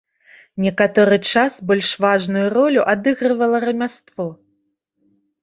Некаторы час больш важную ролю адыгрывала рамяство.